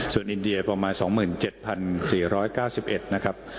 ส่วนอินเดียประมาณ๒๗๔๙๑นะครับ